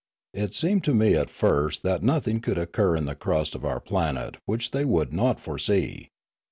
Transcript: It seemed to me at first that nothing could occur in the crust of our planet which they would not foresee.